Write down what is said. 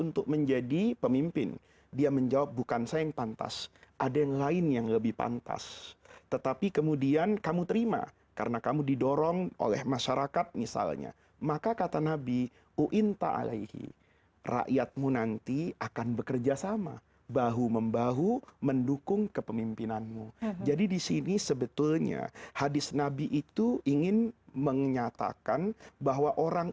tidak bisa tidur